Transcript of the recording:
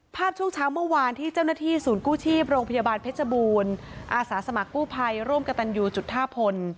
ช่วงเช้าเมื่อวานที่เจ้าหน้าที่ศูนย์กู้ชีพโรงพยาบาลเพชรบูรณ์อาสาสมัครกู้ภัยร่วมกับตันยูจุดท่าพล